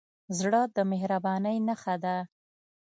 زړه د مهربانۍ نښه ده.